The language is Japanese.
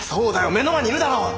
目の前にいるだろ？